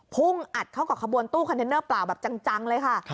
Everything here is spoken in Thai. พุ่งอัดเข้ากับขบวนตู้คอนเทนเนอร์เปล่าแบบจังเลยค่ะ